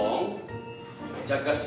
hepan ini karena anak mu